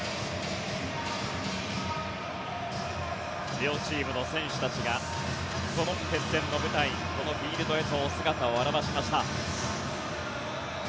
両チームの選手たちがこの決戦の舞台このフィールドへと姿を現しました。